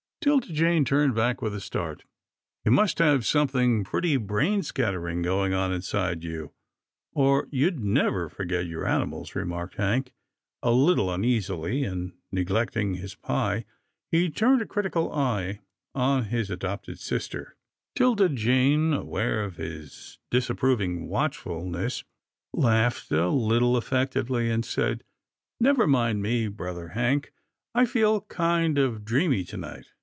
'Tilda Jane turned back with a start. " You must have something pretty brain scatter ing going on inside you, or you'd never forget your animals," remarked Hank a little uneasily, and, neglecting his pie, he turned a critical eye on his adopted sister. THE MATTER WITH GRAMPA 25 *Tilda Jane, aware of his disapproving watch fulness, laughed a little affectedly, and said, " Never mind me, brother Hank. I feel kind of dreamy to night."